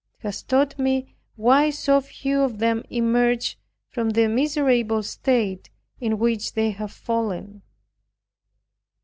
It has taught me why so few of them emerge from the miserable state into which they have fallen.